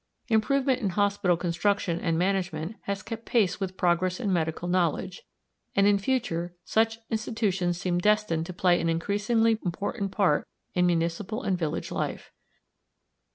Improvement in hospital construction and management has kept pace with progress in medical knowledge; and in future such institutions seem destined to play an increasingly important part in municipal and village life.